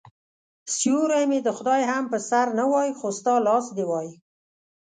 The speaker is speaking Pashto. سیوری مې د خدای هم په سر نه وای خو ستا لاس دي وای